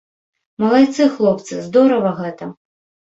Малайцы, хлопцы, здорава гэта.